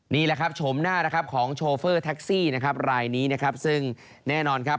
นี่แหละครับชมหน้าของโชฟเฟอร์แท็กซี่รายนี้ซึ่งแน่นอนครับ